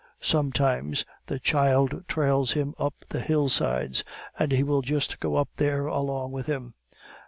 Sometimes the child trails him up the hillsides, and he will just go up there along with him."